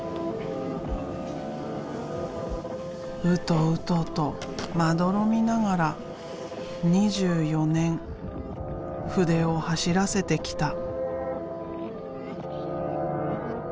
ウトウトとまどろみながら２４年筆を走らせてきた。